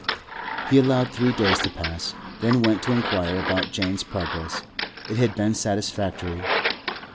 He allowed three days to pass, then went to inquire about Jane's progress. It had been satisfactory.